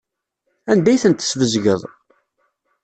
Anda ay tent-tesbezgeḍ?